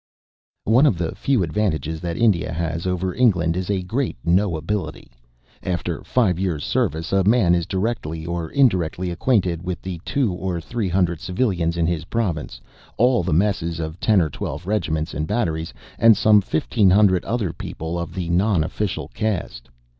_ One of the few advantages that India has over England is a great Knowability. After five years' service a man is directly or indirectly acquainted with the two or three hundred Civilians in his Province, all the Messes of ten or twelve Regiments and Batteries, and some fifteen hundred other people of the non official caste.